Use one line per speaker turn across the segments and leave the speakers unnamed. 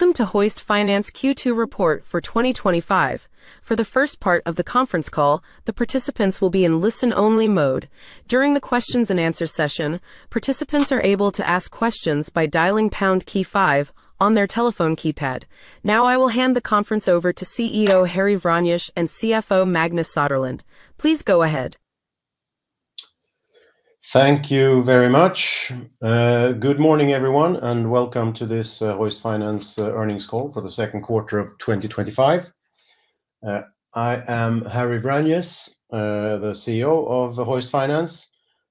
Welcome to Hoist Finance Q2 report for 2025. For the first part of the Conference call, the participants will be in listen-only mode. During the questions and answers session, participants are able to ask questions by dialing pound key five on their telephone keypad. Now, I will hand the conference over to CEO Harry Vranjes and CFO Magnus Söderlund. Please go ahead.
Thank you very much. Good morning, everyone, and welcome to this Hoist Finance earnings call for the second quarter of 2025. I am Harry Vranjes, the CEO of Hoist Finance,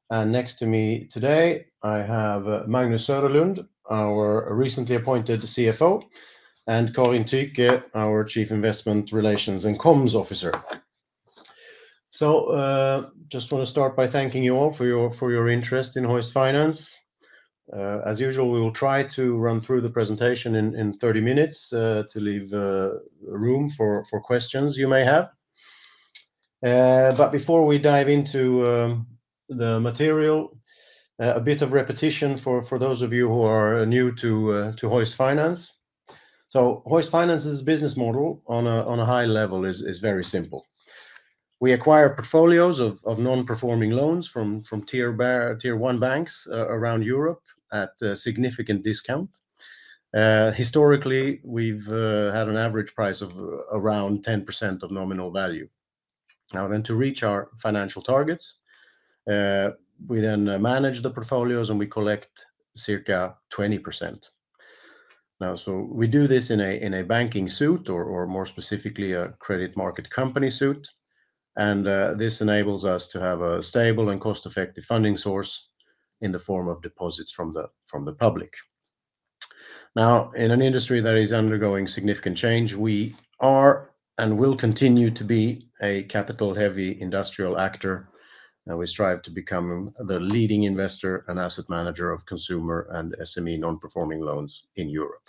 and next to me today, I have Magnus Söderlund, our recently appointed CFO, and Karin Tyllström, our Chief Investment Relations and Communications Officer. I just want to start by thanking you all for your interest in Hoist Finance. As usual, we will try to run through the presentation in 30 minutes to leave room for questions you may have. Before we dive into the material, a bit of repetition for those of you who are new to Hoist Finance. Hoist Finance's business model on a high level is very simple. We acquire portfolios of nonperforming loans from tier one European banks around Europe at a significant discount. Historically, we've had an average price of around 10% of nominal value. To reach our financial targets, we then manage the portfolios and we collect circa 20%. We do this in a banking suit or more specifically a credit market company suit, and this enables us to have a stable and cost-effective funding source in the form of deposits from the public. In an industry that is undergoing significant change, we are and will continue to be a capital-heavy industrial actor. We strive to become the leading investor and asset manager of consumer and SME nonperforming loans in Europe.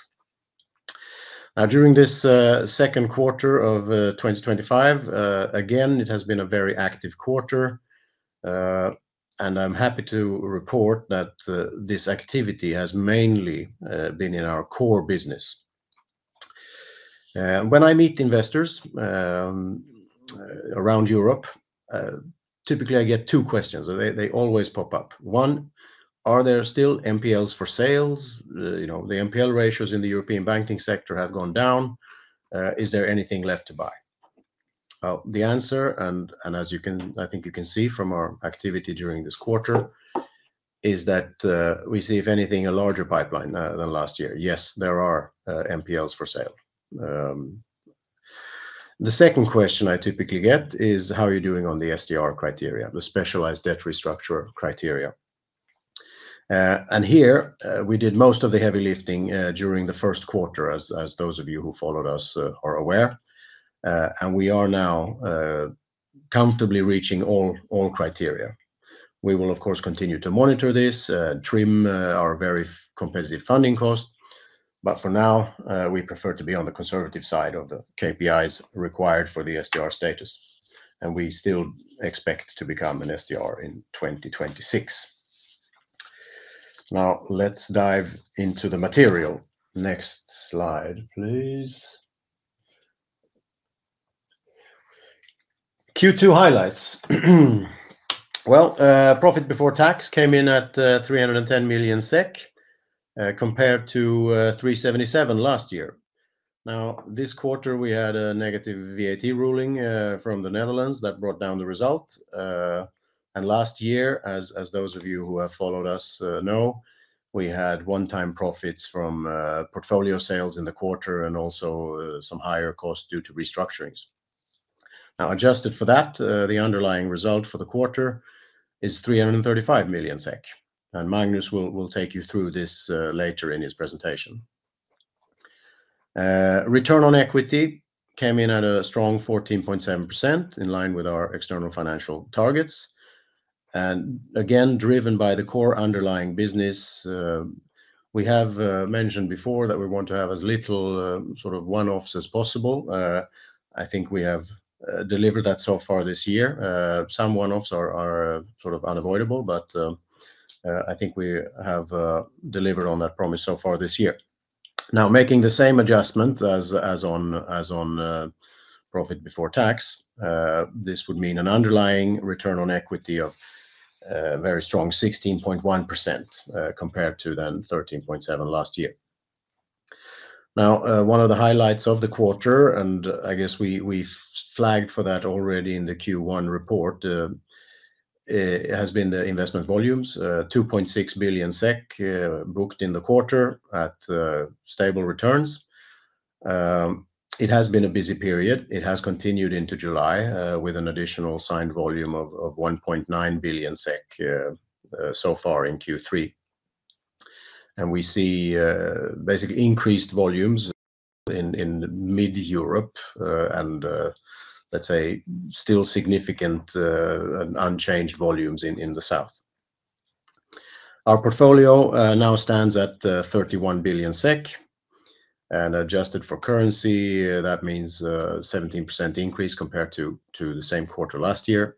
During this second quarter of 2025, it has been a very active quarter, and I'm happy to report that this activity has mainly been in our core business. When I meet investors around Europe, typically I get two questions, and they always pop up. One, are there still NPLs for sale? You know, the NPL ratios in the European banking sector have gone down. Is there anything left to buy? The answer, and I think you can see from our activity during this quarter, is that we see, if anything, a larger pipeline than last year. Yes, there are NPLs for sale. The second question I typically get is how you're doing on the SDR criteria, the Specialized Debt Restructuring criteria. Here, we did most of the heavy lifting during the first quarter, as those of you who followed us are aware, and we are now comfortably reaching all criteria. We will, of course, continue to monitor this and trim our very competitive funding cost, but for now, we prefer to be on the conservative side of the KPIs required for the SDR status, and we still expect to become an SDR in 2026. Now, let's dive into the material. Next slide, please. Q2 highlights. Profit before tax came in at 310 million SEK compared to 377 million last year. This quarter, we had a negative VAT ruling from the Netherlands that brought down the result. Last year, as those of you who have followed us know, we had one-time profits from portfolio sales in the quarter and also some higher costs due to restructurings. Adjusted for that, the underlying result for the quarter is 335 million SEK, and Magnus will take you through this later in his presentation. Return on equity came in at a strong 14.7% in line with our external financial targets, again driven by the core underlying business. We have mentioned before that we want to have as little sort of one-offs as possible. I think we have delivered that so far this year. Some one-offs are sort of unavoidable, but I think we have delivered on that promise so far this year. Making the same adjustment as on profit before tax, this would mean an underlying return on equity of a very strong 16.1% compared to 13.7% last year. One of the highlights of the quarter, and I guess we've flagged for that already in the Q1 report, has been the investment volumes, 2.6 billion SEK booked in the quarter at stable returns. It has been a busy period. It has continued into July with an additional signed volume of 1.9 billion SEK so far in Q3. We see basically increased volumes in mid-Europe and, let's say, still significant and unchanged volumes in the South. Our portfolio now stands at 31 billion SEK, and adjusted for currency, that means a 17% increase compared to the same quarter last year.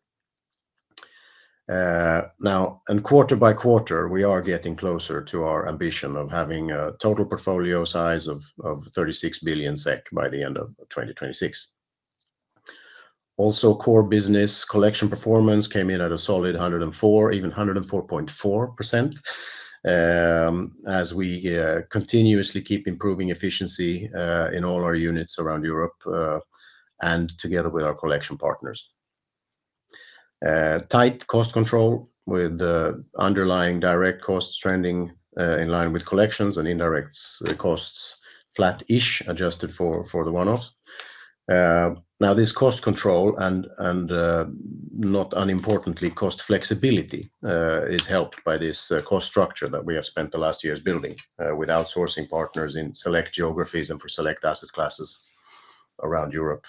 Quarter by quarter, we are getting closer to our ambition of having a total portfolio size of 36 billion SEK by the end of 2026. Also, core business collection performance came in at a solid 104%, even 104.4%, as we continuously keep improving efficiency in all our units around Europe and together with our collection partners. Tight cost control with underlying direct costs trending in line with collections and indirect costs, flat-ish, adjusted for the one-offs. This cost control and, not unimportantly, cost flexibility is helped by this cost structure that we have spent the last years building with outsourcing partners in select geographies and for select asset classes around Europe.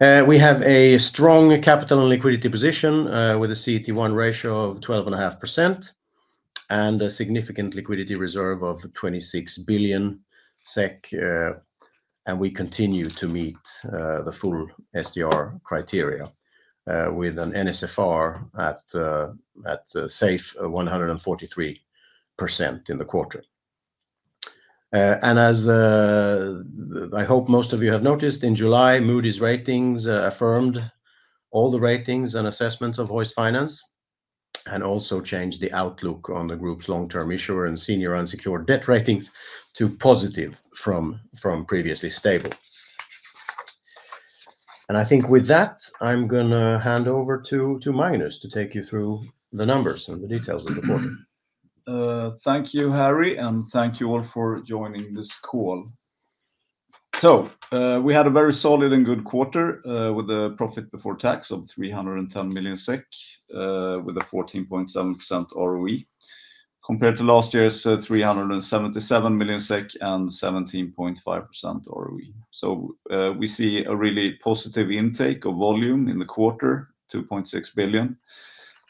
We have a strong capital and liquidity position with a CET1 ratio of 12.5% and a significant liquidity reserve of 26 billion SEK, and we continue to meet the full SDR criteria with an NSFR at a safe 143% in the quarter. As I hope most of you have noticed, in July, Moody’s ratings affirmed all the ratings and assessments of Hoist Finance and also changed the outlook on the group's long-term issuer and senior unsecured debt ratings to positive from previously stable. I think with that, I'm going to hand over to Magnus to take you through the numbers and the details of the quarter. Thank you, Harry, and thank you all for joining this call. We had a very solid and good quarter with a profit before tax of 310 million SEK with a 14.7% ROE compared to last year's 377 million SEK and 17.5% ROE. We see a really positive intake of volume in the quarter, 2.6 billion,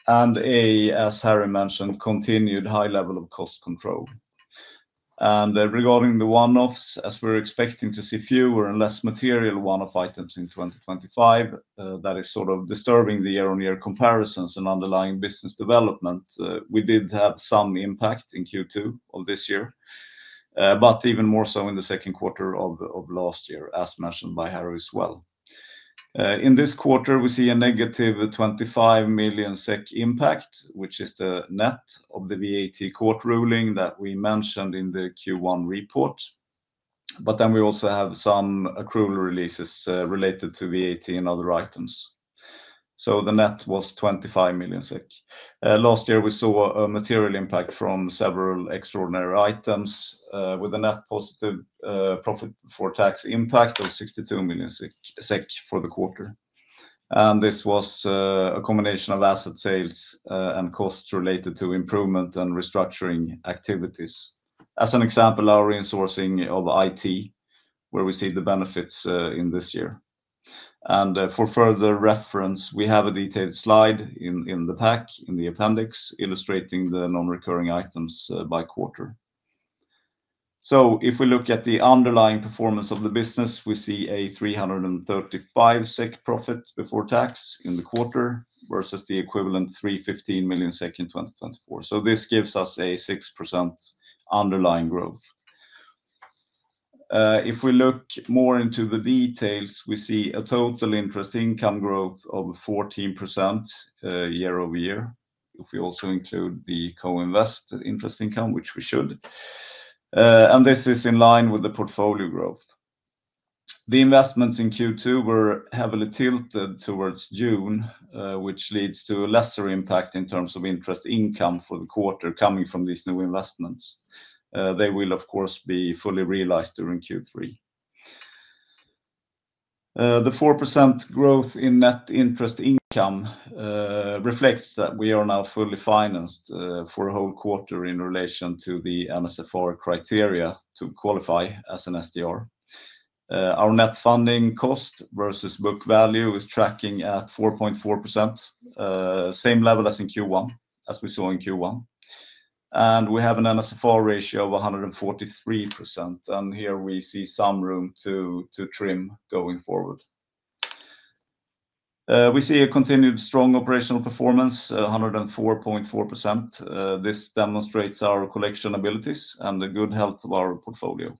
and as Harry mentioned, continued high level of cost control. Regarding the one-offs, as we're expecting to see fewer and less material one-off items in 2025, that is sort of disturbing the year-on-year comparisons and underlying business development. We did have some impact in Q2 of this year, but even more so in the second quarter of last year, as mentioned by Harry as well. In this quarter, we see a negative 25 million SEK impact, which is the net of the VAT court ruling that we mentioned in the Q1 report, but then we also have some accrual releases related to VAT and other items. The net was 25 million SEK. Last year, we saw a material impact from several extraordinary items with a net positive profit before tax impact of 62 million SEK for the quarter. This was a combination of asset sales and costs related to improvement and restructuring activities. As an example, our insourcing of IT, where we see the benefits in this year. For further reference, we have a detailed slide in the pack, in the appendix, illustrating the non-recurring items by quarter. If we look at the underlying performance of the business, we see a 335 million SEK profit before tax in the quarter versus the equivalent 315 million SEK in 2024. This gives us a 6% underlying growth. If we look more into the details, we see a total interest income growth of 14% year over year, if we also include the co-invested interest income, which we should. This is in line with the portfolio growth. The investments in Q2 were heavily tilted towards June, which leads to a lesser impact in terms of interest income for the quarter coming from these new investments. They will, of course, be fully realized during Q3. The 4% growth in net interest income reflects that we are now fully financed for a whole quarter in relation to the NSFR criteria to qualify as an SDR. Our net funding cost versus book value is tracking at 4.4%, same level as in Q1, as we saw in Q1. We have an NSFR ratio of 143%, and here we see some room to trim going forward. We see a continued strong operational performance, 104.4%. This demonstrates our collection abilities and the good health of our portfolio.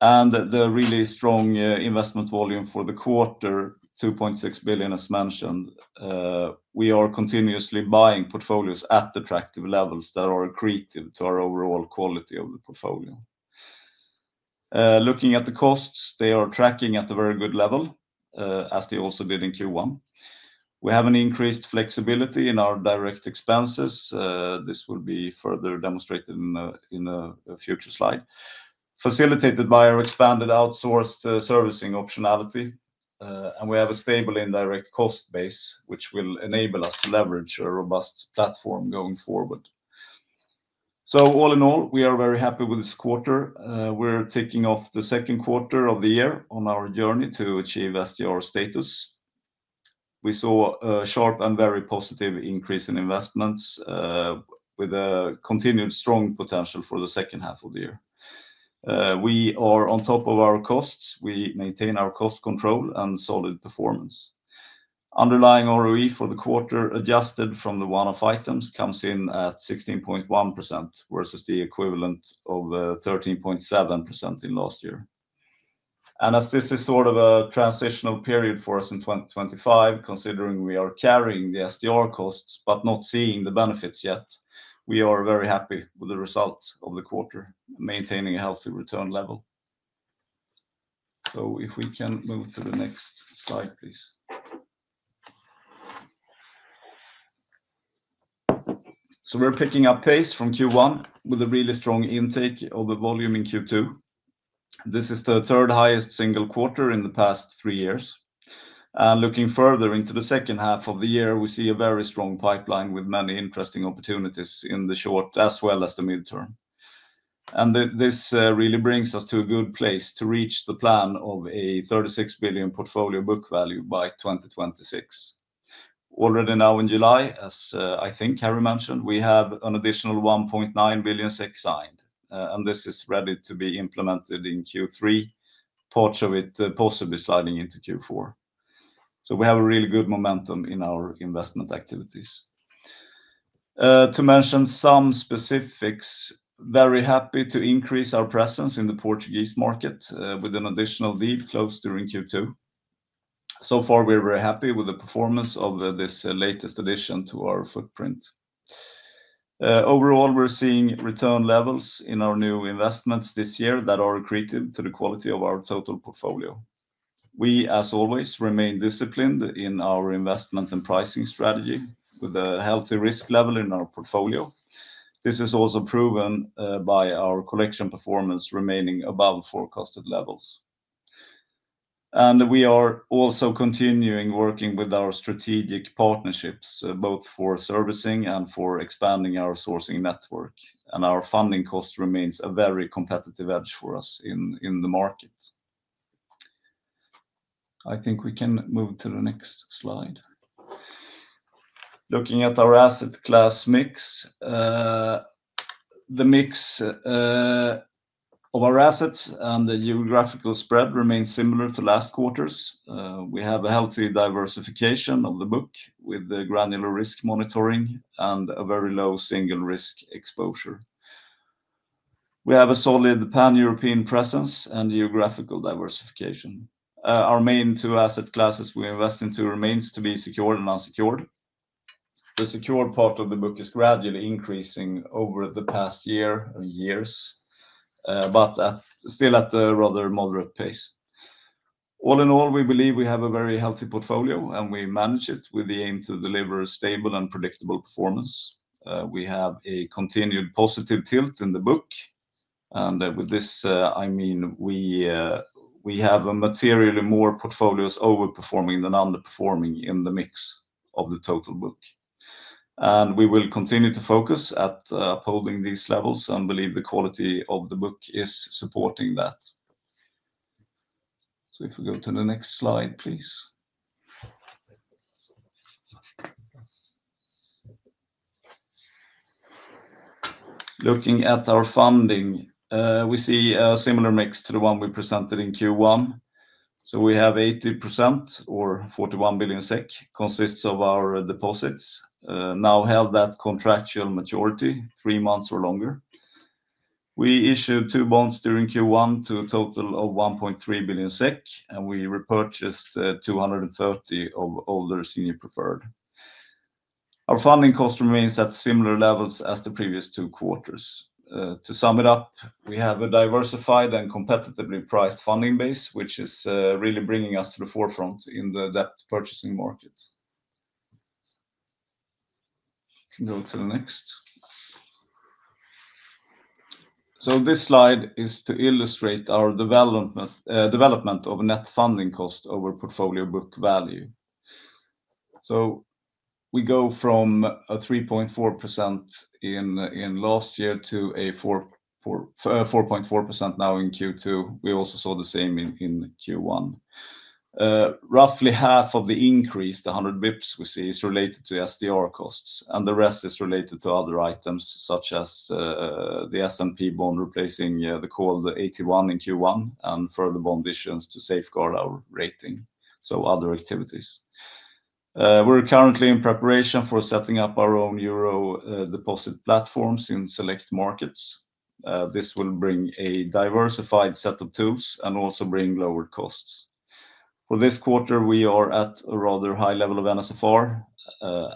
The really strong investment volume for the quarter, 2.6 billion, as mentioned. We are continuously buying portfolios at attractive levels that are accretive to our overall quality of the portfolio. Looking at the costs, they are tracking at a very good level, as they also did in Q1. We have an increased flexibility in our direct expenses. This will be further demonstrated in a future slide, facilitated by our expanded outsourced servicing optionality. We have a stable indirect cost base, which will enable us to leverage a robust platform going forward. All in all, we are very happy with this quarter. We're ticking off the second quarter of the year on our journey to achieve SDR status. We saw a sharp and very positive increase in investments with a continued strong potential for the second half of the year. We are on top of our costs. We maintain our cost control and solid performance. Underlying ROE for the quarter adjusted from the one-off items comes in at 16.1% versus the equivalent of 13.7% in last year. As this is sort of a transitional period for us in 2025, considering we are carrying the SDR costs but not seeing the benefits yet, we are very happy with the results of the quarter, maintaining a healthy return level. If we can move to the next slide, please. We're picking up pace from Q1 with a really strong intake of volume in Q2. This is the third highest single quarter in the past three years. Looking further into the second half of the year, we see a very strong pipeline with many interesting opportunities in the short as well as the midterm. This really brings us to a good place to reach the plan of a 36 billion portfolio book value by 2026. Already now in July, as I think Harry mentioned, we have an additional 1.9 billion SEK signed, and this is ready to be implemented in Q3, part of it possibly sliding into Q4. We have a really good momentum in our investment activities. To mention some specifics, very happy to increase our presence in the Portuguese market with an additional deal closed during Q2. So far, we're very happy with the performance of this latest addition to our footprint. Overall, we're seeing return levels in our new investments this year that are accretive to the quality of our total portfolio. We, as always, remain disciplined in our investment and pricing strategy with a healthy risk level in our portfolio. This is also proven by our collection performance remaining above forecasted levels. We are also continuing working with our strategic partnerships, both for servicing and for expanding our sourcing network. Our funding cost remains a very competitive edge for us in the market. I think we can move to the next slide. Looking at our asset class mix, the mix of our assets and the geographical spread remains similar to last quarter's. We have a healthy diversification of the book with granular risk monitoring and a very low single risk exposure. We have a solid pan-European presence and geographical diversification. Our main two asset classes we invest into remain to be secured and unsecured. The secured part of the book is gradually increasing over the past year and years, but still at a rather moderate pace. All in all, we believe we have a very healthy portfolio and we manage it with the aim to deliver stable and predictable performance. We have a continued positive tilt in the book, and with this, I mean we have materially more portfolios overperforming than underperforming in the mix of the total book. We will continue to focus at upholding these levels and believe the quality of the book is supporting that. If we go to the next slide, please. Looking at our funding, we see a similar mix to the one we presented in Q1. We have 80% or 41 billion SEK, consists of our deposits, now have that contractual maturity three months or longer. We issued two bonds during Q1 to a total of 1.3 billion SEK, and we repurchased 230 million of older senior preferred. Our funding cost remains at similar levels as the previous two quarters. To sum it up, we have a diversified and competitively priced funding base, which is really bringing us to the forefront in the debt purchasing market. Go to the next. This slide is to illustrate our development of net funding cost over portfolio book value. We go from 3.4% in last year to 4.4% now in Q2. We also saw the same in Q1. Roughly half of the increase, the 100 bps we see, is related to SDR costs, and the rest is related to other items such as the S&P bond replacing the called 81 in Q1 and further bonditions to safeguard our rating, so other activities. We're currently in preparation for setting up our own Euro deposit platforms in select markets. This will bring a diversified set of tools and also bring lower costs. For this quarter, we are at a rather high level of NSFR,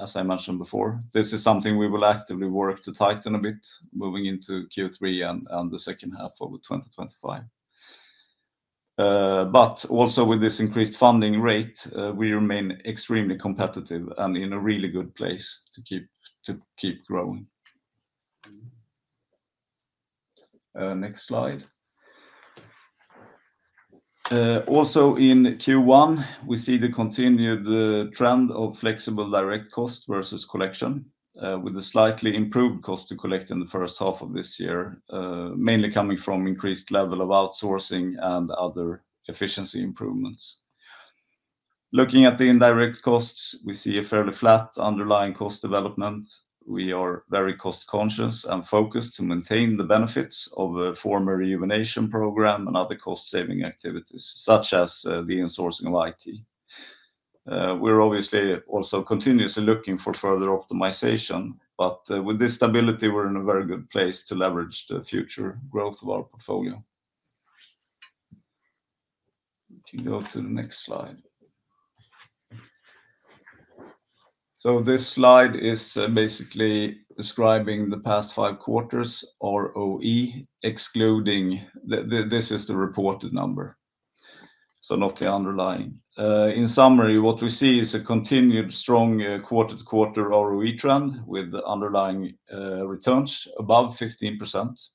as I mentioned before. This is something we will actively work to tighten a bit, moving into Q3 and the second half of 2025. With this increased funding rate, we remain extremely competitive and in a really good place to keep growing. Next slide. In Q1, we see the continued trend of flexible direct cost versus collection, with a slightly improved cost to collect in the first half of this year, mainly coming from increased level of outsourcing and other efficiency improvements. Looking at the indirect costs, we see a fairly flat underlying cost development. We are very cost-conscious and focused to maintain the benefits of a former rejuvenation program and other cost-saving activities, such as the insourcing of IT. We're obviously also continuously looking for further optimization, but with this stability, we're in a very good place to leverage the future growth of our portfolio. You can go to the next slide. This slide is basically describing the past five quarters ROE, excluding this is the reported number, so not the underlying. In summary, what we see is a continued strong quarter-to-quarter ROE trend with underlying returns above 15%.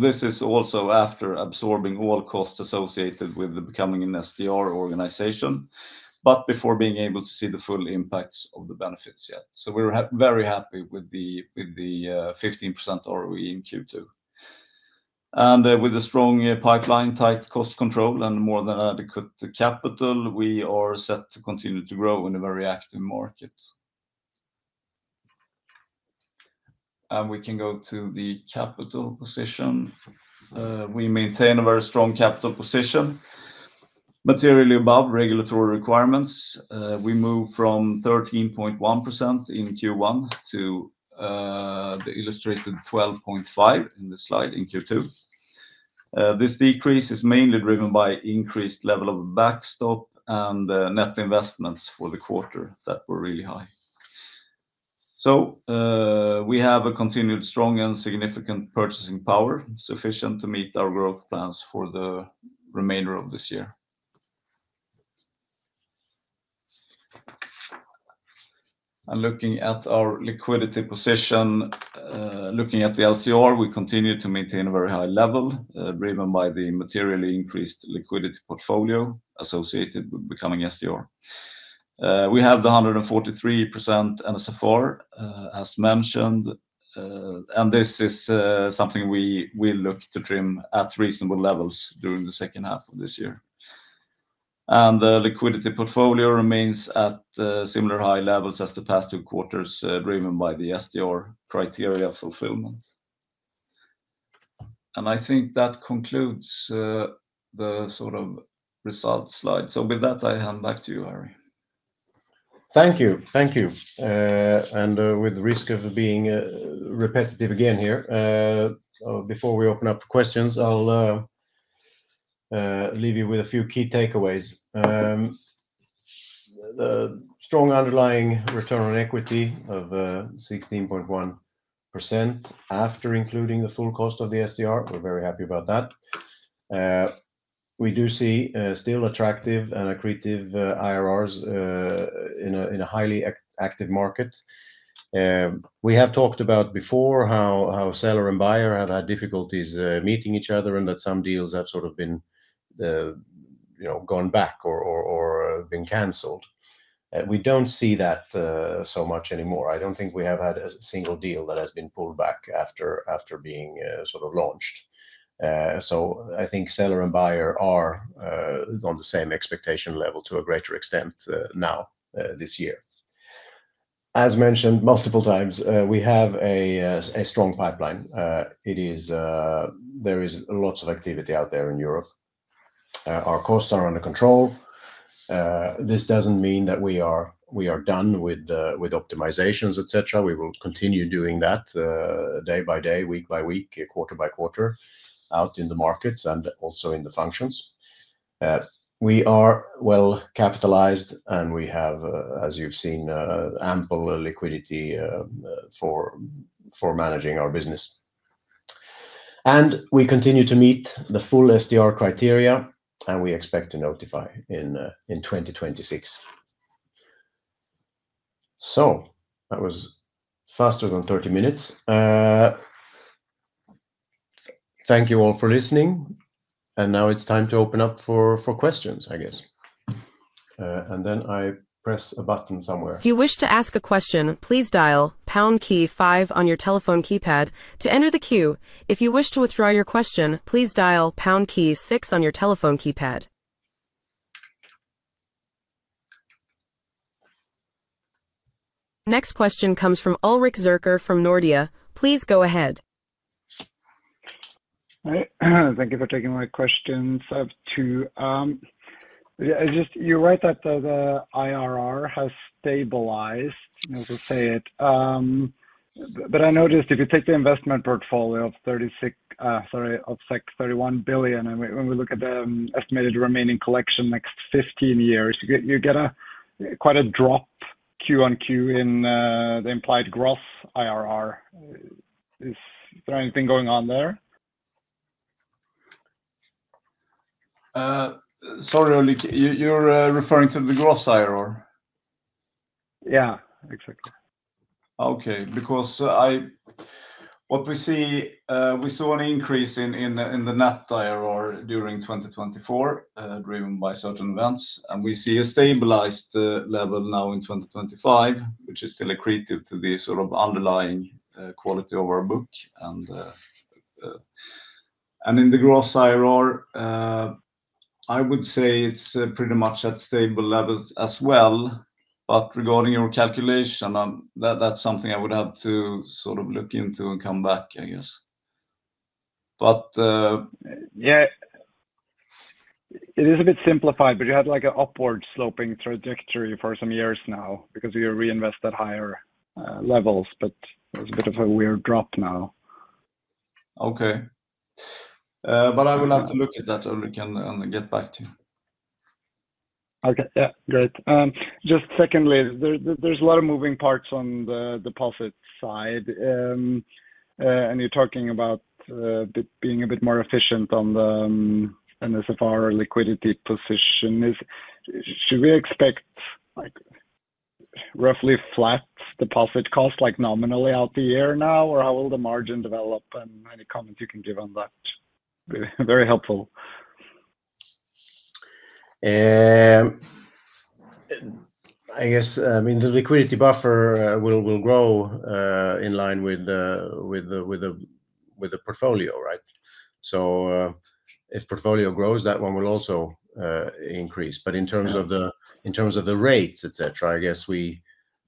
This is also after absorbing all costs associated with becoming an SDR organization, but before being able to see the full impacts of the benefits yet. We're very happy with the 15% ROE in Q2. With a strong pipeline, tight cost control, and more than adequate capital, we are set to continue to grow in a very active market. We can go to the capital position. We maintain a very strong capital position, materially above regulatory requirements. We move from 13.1% in Q1 to the illustrated 12.5% in the slide in Q2. This decrease is mainly driven by an increased level of a backstop and net investments for the quarter that were really high. We have a continued strong and significant purchasing power sufficient to meet our growth plans for the remainder of this year. Looking at our liquidity position, looking at the LCR, we continue to maintain a very high level, driven by the materially increased liquidity portfolio associated with becoming SDR. We have the 143% NSFR, as mentioned, and this is something we will look to trim at reasonable levels during the second half of this year. The liquidity portfolio remains at similar high levels as the past two quarters, driven by the SDR criteria fulfillment. I think that concludes the sort of result slide. With that, I hand back to you, Harry. Thank you. Thank you. With the risk of being repetitive again here, before we open up for questions, I'll leave you with a few key takeaways. The strong underlying return on equity of 16.1% after including the full cost of the SDR, we're very happy about that. We do see still attractive and accretive IRRs in a highly active market. We have talked about before how seller and buyer have had difficulties meeting each other and that some deals have sort of been gone back or been canceled. We don't see that so much anymore. I don't think we have had a single deal that has been pulled back after being sort of launched. I think seller and buyer are on the same expectation level to a greater extent now this year. As mentioned multiple times, we have a strong pipeline. There is lots of activity out there in Europe. Our costs are under control. This doesn't mean that we are done with optimizations, etc. We will continue doing that day by day, week by week, quarter by quarter, out in the markets and also in the functions. We are well capitalized and we have, as you've seen, ample liquidity for managing our business. We continue to meet the full SDR criteria and we expect to notify in 2026. That was faster than 30 minutes. Thank you all for listening. Now it's time to open up for questions, I guess. Then I press a button somewhere.
If you wish to ask a question, please dial pound key five on your telephone keypad to enter the queue. If you wish to withdraw your question, please dial pound key six on your telephone keypad. Next question comes from Ulrik Zürcher from Nordea. Please go ahead.
Thank you for taking my questions. I have two. You're right that the IRR has stabilized, as I say it. I noticed if you take the investment portfolio of 31 billion and when we look at the estimated remaining collection next 15 years, you get quite a drop quarter on quarter in the implied gross IRR. Is there anything going on there? Sorry, Ulrik, you're referring to the gross IRR? Yeah, exactly. Okay, because what we see, we saw an increase in the net IRR during 2024, driven by certain events. We see a stabilized level now in 2025, which is still accretive to the sort of underlying quality of our book. In the gross IRR, I would say it's pretty much at stable levels as well. Regarding your calculation, that's something I would have to look into and come back, I guess.
Yeah, it is a bit simplified, but you had like an upward sloping trajectory for some years now because you reinvest at higher levels, but there's a bit of a weird drop now. Okay. I will have to look at that, Ulrik, and get back to you. Okay, yeah, great. Just secondly, there's a lot of moving parts on the deposit side. You're talking about being a bit more efficient on the NSFR or liquidity position. Should we expect roughly flat deposit cost, like nominally out the year now, or how will the margin develop? Any comment you can give on that? Very helpful. I guess the liquidity buffer will grow in line with the portfolio, right? If portfolio grows, that one will also increase. In terms of the rates, I guess we,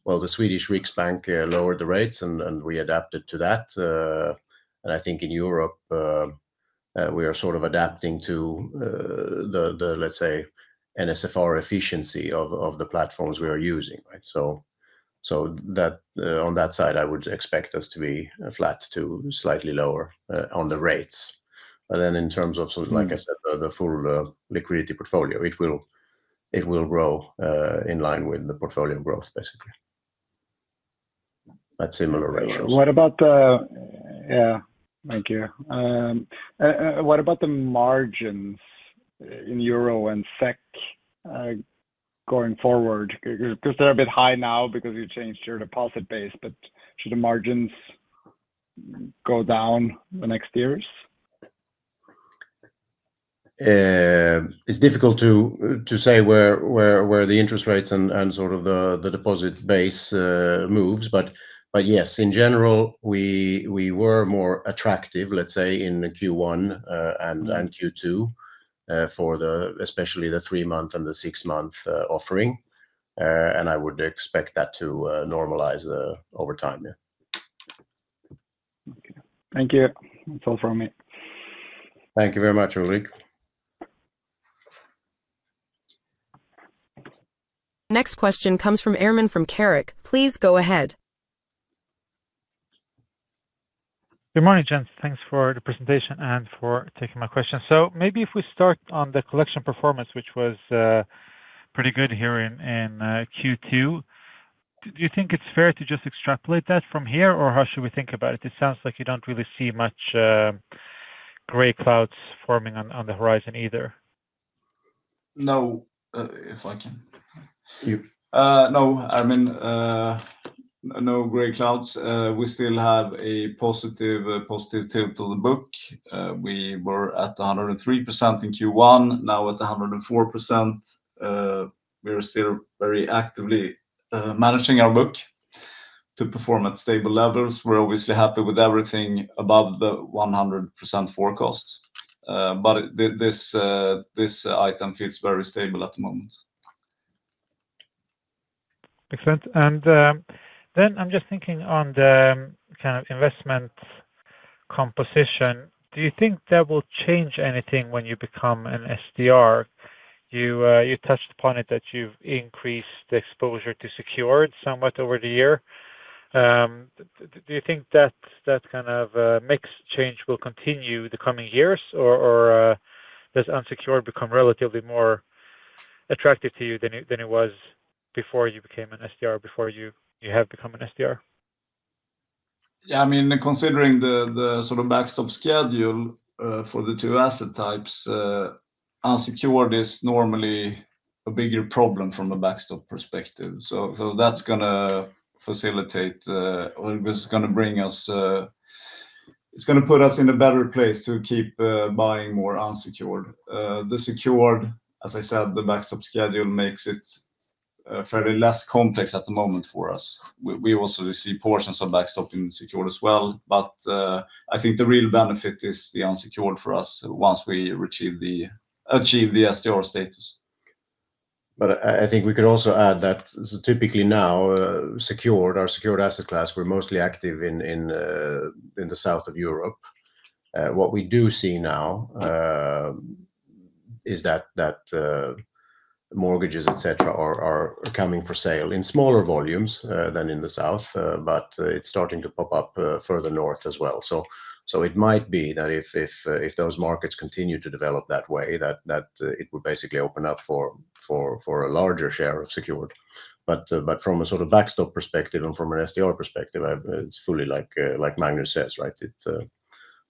the Sveriges Riksbank lowered the rates and we adapted to that. I think in Europe, we are sort of adapting to the, let's say, NSFR efficiency of the platforms we are using. On that side, I would expect us to be flat to slightly lower on the rates. In terms of the full liquidity portfolio, it will grow in line with the portfolio growth, basically, at similar rates. What about the margins in euro and SEK going forward? Because they're a bit high now because you changed your deposit base, but should the margins go down the next years? It's difficult to say where the interest rates and sort of the deposit base moves, but yes, in general, we were more attractive, let's say, in Q1 and Q2 for especially the three-month and the six-month offering. I would expect that to normalize over time. Okay, thank you. That's all from me. Thank you very much, Ulrik.
Next question comes from Erman from Carnegie. Please go ahead. Good morning, Vranjes. Thanks for the presentation and for taking my question. Maybe if we start on the collection performance, which was pretty good here in Q2, do you think it's fair to just extrapolate that from here, or how should we think about it? It sounds like you don't really see much gray clouds forming on the horizon either. No, I mean, no gray clouds. We still have a positive tilt to the book. We were at 103% in Q1, now at 104%. We are still very actively managing our book to perform at stable levels. We're obviously happy with everything above the 100% forecast. This item feels very stable at the moment. Makes sense. I'm just thinking on the kind of investment composition. Do you think that will change anything when you become an SDR?
You touched upon it that you've increased the exposure to secured somewhat over the year. Do you think that kind of mix change will continue the coming years, or does unsecured become relatively more attractive to you than it was before you became an SDR, before you have become an SDR? I mean, considering the sort of backstop schedule for the two asset types, unsecured is normally a bigger problem from the backstop perspective. That is going to facilitate, or it's going to bring us, it's going to put us in a better place to keep buying more unsecured. The secured, as I said, the backstop schedule makes it fairly less complex at the moment for us. We also see portions of backstop in secured as well, but I think the real benefit is the unsecured for us once we achieve the SDR status. I think we could also add that typically now, secured, our secured asset class, we're mostly active in the south of Europe. What we do see now is that mortgages, etc., are coming for sale in smaller volumes than in the south, but it's starting to pop up further north as well. It might be that if those markets continue to develop that way, it would basically open up for a larger share of secured. From a sort of backstop perspective and from an SDR perspective, it's fully like Magnus says, right?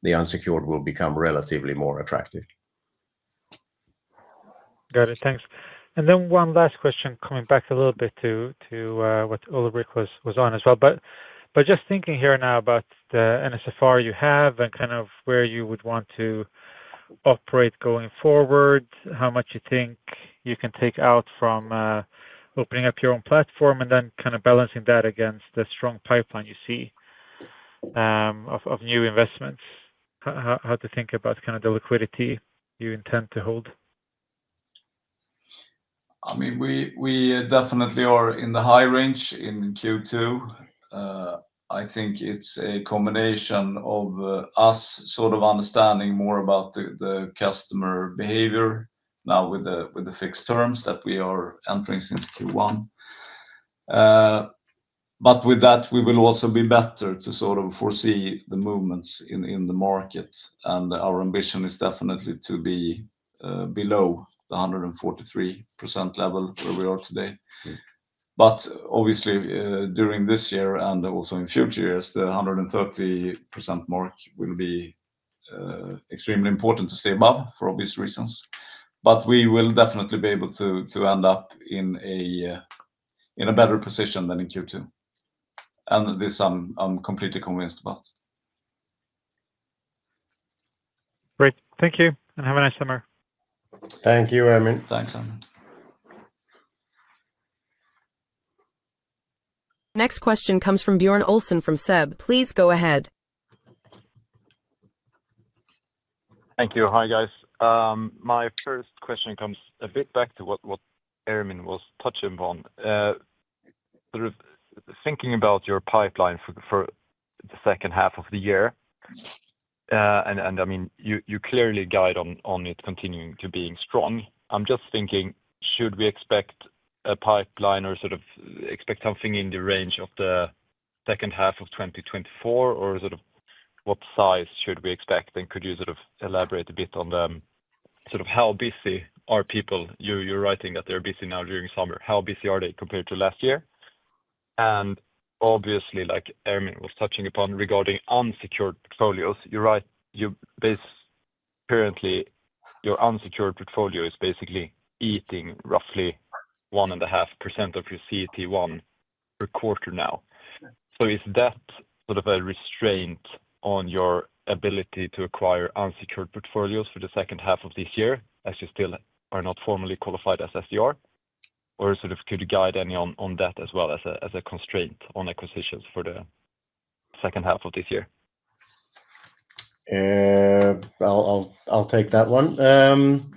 The unsecured will become relatively more attractive. Got it. Thanks. One last question, coming back a little bit to what Ulrik was on as well. Just thinking here now about the NSFR you have and kind of where you would want to operate going forward, how much you think you can take out from opening up your own platform and then kind of balancing that against the strong pipeline you see of new investments. How to think about kind of the liquidity you intend to hold? I mean, we definitely are in the high range in Q2. I think it's a combination of us sort of understanding more about the customer behavior now with the fixed terms that we are entering since Q1. With that, we will also be better to sort of foresee the movements in the market. Our ambition is definitely to be below the 143% level where we are today. Obviously, during this year and also in future years, the 130% mark will be extremely important to stay above for obvious reasons. We will definitely be able to end up in a better position than in Q2. This I'm completely convinced about. Great. Thank you and have a nice summer. Thank you, Erman. Thanks, Erman.
Next question comes from Björn Olsen from SEB. Please go ahead.
Thank you. Hi guys. My first question comes a bit back to what Erman was touching on. Sort of thinking about your pipeline for the second half of the year, and I mean, you clearly guide on it continuing to being strong. I'm just thinking, should we expect a pipeline or sort of expect something in the range of the second half of 2024, or sort of what size should we expect? Could you sort of elaborate a bit on how busy are people? You're writing that they're busy now during summer. How busy are they compared to last year? Obviously, like Erman was touching upon regarding unsecured portfolios, you're right. You basically, currently, your unsecured portfolio is basically eating roughly 1.5% of your CET1 per quarter now.
Is that sort of a restraint on your ability to acquire unsecured portfolios for the second half of this year as you still are not formally qualified as SDR? Could you guide any on that as well as a constraint on acquisitions for the second half of this year? I'll take that one.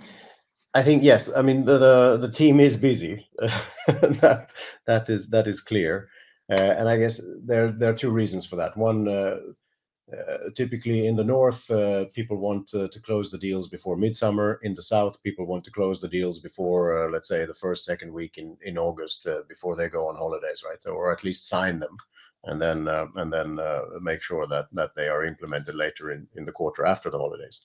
I think, yes, I mean, the team is busy. That is clear. I guess there are two reasons for that. One, typically in the north, people want to close the deals before midsummer. In the south, people want to close the deals before, let's say, the first, second week in August before they go on holidays, right? Or at least sign them and then make sure that they are implemented later in the quarter after the holidays.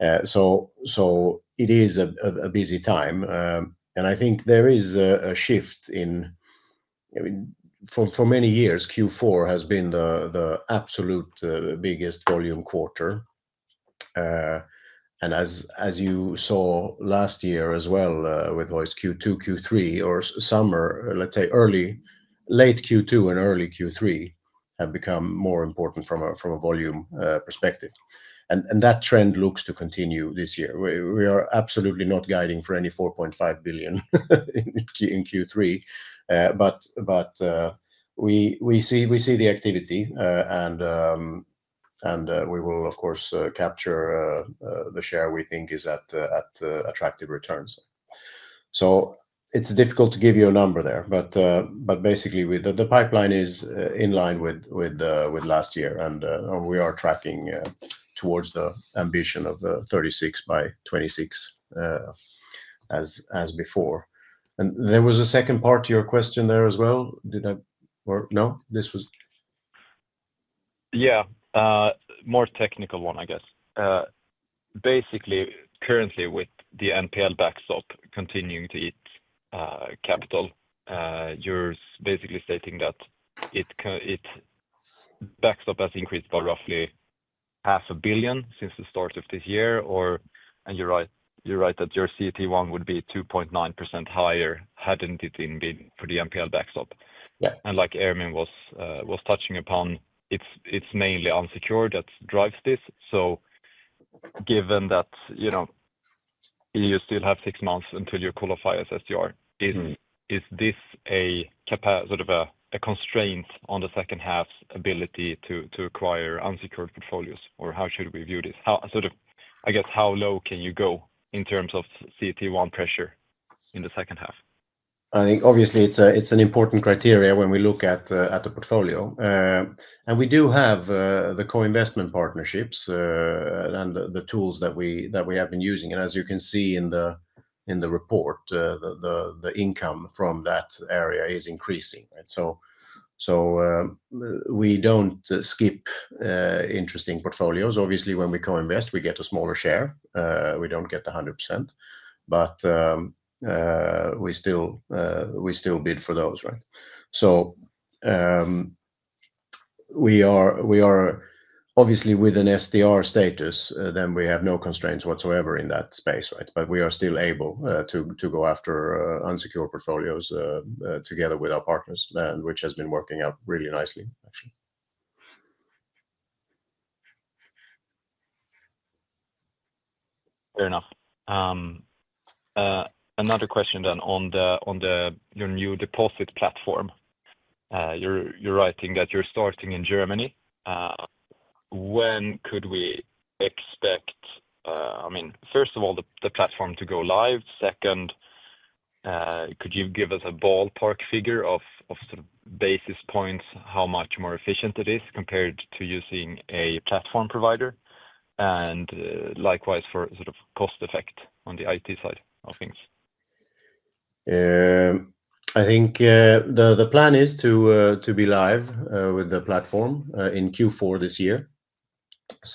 It is a busy time. I think there is a shift in, I mean, for many years, Q4 has been the absolute biggest volume quarter. As you saw last year as well with Hoist Finance Q2, Q3, or summer, let's say, late Q2 and early Q3 have become more important from a volume perspective. That trend looks to continue this year. We are absolutely not guiding for any 4.5 billion in Q3. We see the activity and we will, of course, capture the share we think is at attractive returns. It's difficult to give you a number there, but basically, the pipeline is in line with last year and we are tracking towards the ambition of 36 by 26 as before. There was a second part to your question there as well. Did I? No, this was? Yeah, more technical one, I guess. Basically, currently with the NPL backstop continuing to eat capital, you're basically stating that the backstop has increased by roughly half a billion since the start of this year, and you're right, you're right that your CET1 would be 2.9% higher hadn't it been for the NPL backstop. Like Erman was touching upon, it's mainly unsecured that drives this. Given that you still have six months until you qualify as SDR, is this a sort of a constraint on the second half's ability to acquire unsecured portfolios? How should we view this? How low can you go in terms of CET1 pressure in the second half? I think obviously it's an important criteria when we look at the portfolio. We do have the co-investment partnerships and the tools that we have been using. As you can see in the report, the income from that area is increasing. We don't skip interesting portfolios. Obviously, when we co-invest, we get a smaller share. We don't get the 100%. We still bid for those. We are obviously with an SDR status, then we have no constraints whatsoever in that space. We are still able to go after unsecured portfolios together with our partners, which has been working out really nicely. Fair enough. Another question then on your new deposit platform. You're writing that you're starting in Germany. When could we expect, first of all, the platform to go live? Second, could you give us a ballpark figure of basis points, how much more efficient it is compared to using a platform provider? Likewise for cost effect on the IT side of things. I think the plan is to be live with the platform in Q4 this year.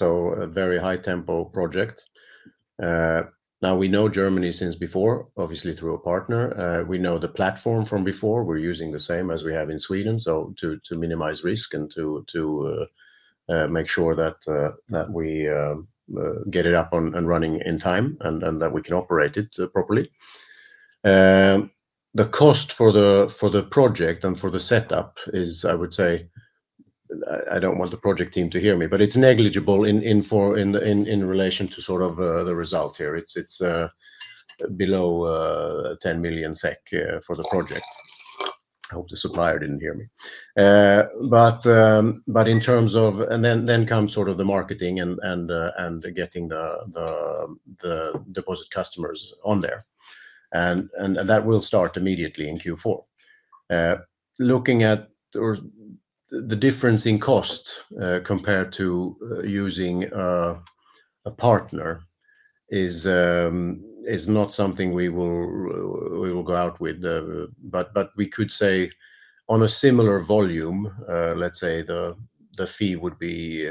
A very high tempo project. We know Germany since before, obviously through a partner. We know the platform from before. We're using the same as we have in Sweden to minimize risk and to make sure that we get it up and running in time and that we can operate it properly. The cost for the project and for the setup is, I would say, I don't want the project team to hear me, but it's negligible in relation to the result here. It's below 10 million SEK for the project. I hope the supplier didn't hear me. In terms of, and then comes the marketing and getting the deposit customers on there. That will start immediately in Q4. Looking at the difference in cost compared to using a partner is not something we will go out with. We could say on a similar volume, the fee would be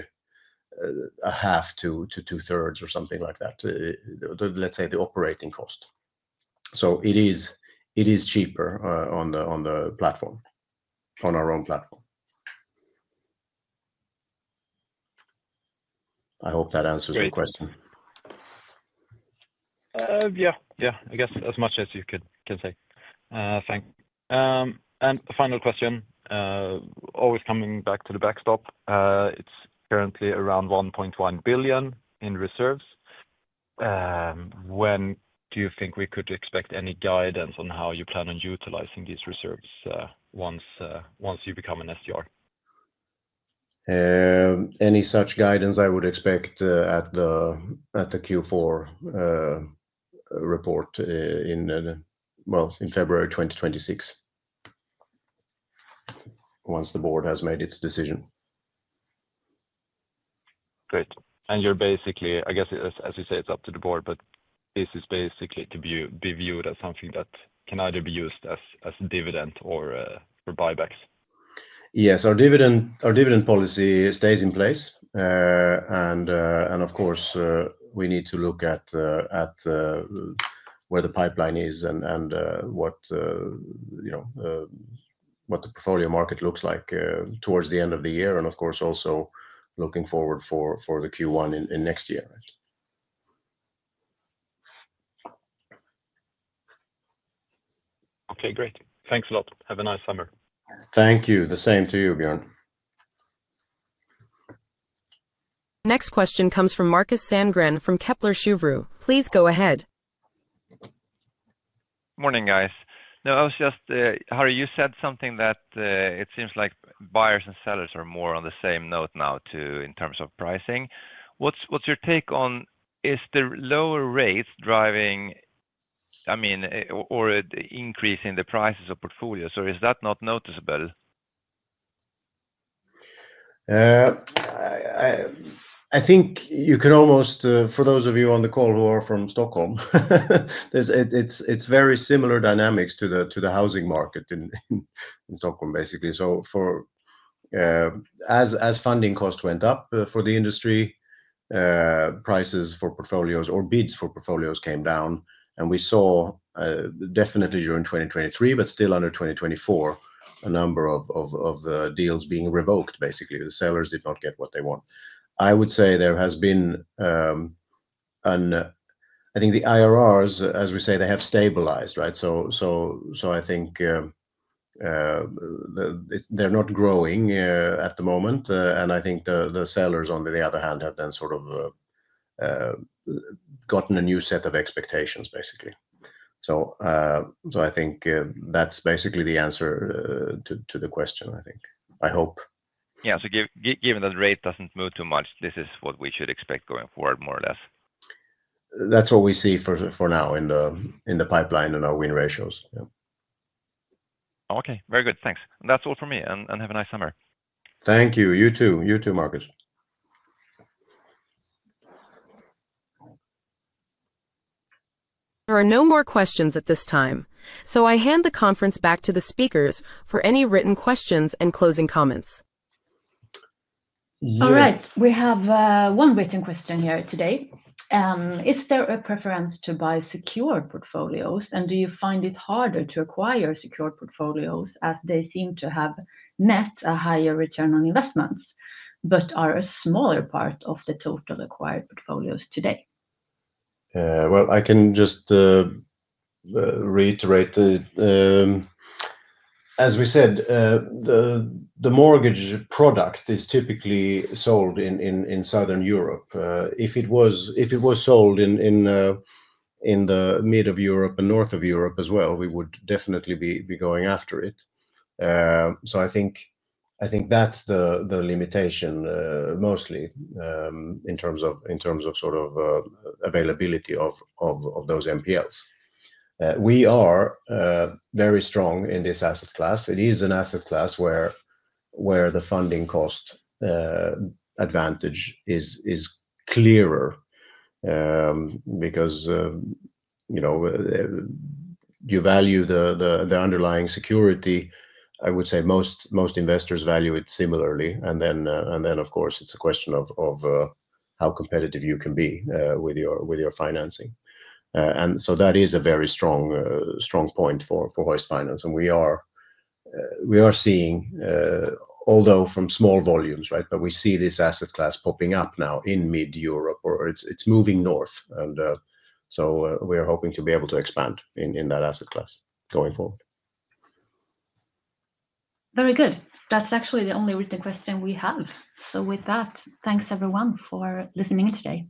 a half to two thirds or something like that. The operating cost, it is cheaper on the platform, on our own platform. I hope that answers your question. Yeah, yeah, I guess as much as you can say. Thanks. The final question, always coming back to the backstop. It's currently around €1.1 billion in reserves. When do you think we could expect any guidance on how you plan on utilizing these reserves once you become an SDR? Any such guidance I would expect at the Q4 report in February 2026, once the board has made its decision. Great. You're basically, I guess, as you say, it's up to the board, but this is basically to be viewed as something that can either be used as a dividend or buybacks. Yes, our dividend policy stays in place. Of course, we need to look at where the pipeline is and what the portfolio market looks like towards the end of the year. Of course, also looking forward for the Q1 in next year. Okay, great. Thanks a lot. Have a nice summer. Thank you. The same to you, Björn.
Next question comes from Markus Sandgren from Kepler Cheuvreux. Please go ahead.
Morning guys. Harry, you said something that it seems like buyers and sellers are more on the same note now in terms of pricing. What's your take on, is the lower rates driving, I mean, or increasing the prices of portfolios, or is that not noticeable? I think you can almost, for those of you on the call who are from Stockholm, it's very similar dynamics to the housing market in Stockholm, basically. As funding costs went up for the industry, prices for portfolios or bids for portfolios came down. We saw definitely during 2023, but still under 2024, a number of deals being revoked, basically, because the sellers did not get what they want. I would say there has been, I think the IRRs, as we say, they have stabilized, right? I think they're not growing at the moment.
I think the sellers, on the other hand, have then sort of gotten a new set of expectations, basically. I think that's basically the answer to the question, I think. I hope. Yeah, so given that the rate doesn't move too much, this is what we should expect going forward, more or less. That's what we see for now in the pipeline and our win ratios. Okay, very good. Thanks. And that's all for me. Have a nice summer. Thank you. You too. You too, Magnus.
There are no more questions at this time. I hand the conference back to the speakers for any written questions and closing comments.
All right. We have one written question here today. Is there a preference to buy secured portfolios? Do you find it harder to acquire secured portfolios as they seem to have met a higher return on investments, but are a smaller part of the total acquired portfolios today?
I can just reiterate that, as we said, the mortgage product is typically sold in Southern Europe. If it was sold in the mid of Europe and north of Europe as well, we would definitely be going after it. I think that's the limitation mostly in terms of sort of availability of those NPLs. We are very strong in this asset class. It is an asset class where the funding cost advantage is clearer because you value the underlying security. I would say most investors value it similarly. Of course, it's a question of how competitive you can be with your financing. That is a very strong point for Hoist Finance. We are seeing, although from small volumes, right, but we see this asset class popping up now in mid-Europe, or it's moving north. We're hoping to be able to expand in that asset class going forward.
Very good. That's actually the only written question we have. With that, thanks everyone for listening today.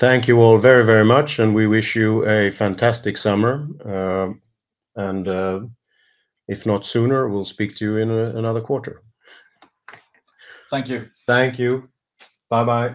Thank you all very, very much. We wish you a fantastic summer. If not sooner, we'll speak to you in another quarter. Thank you. Thank you. Bye-bye.